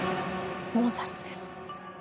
モーツァルトです。